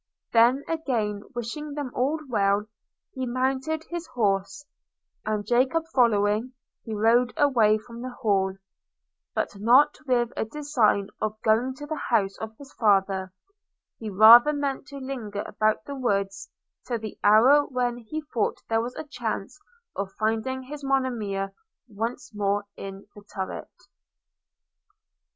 Then, again wishing them all well, he mounted his horse; and Jacob following, he rode away from the Hall – but not with a design of going to the house of his father; he rather meant to linger about the woods till the hour when he thought there was a chance of his finding Monimia once more in the turret.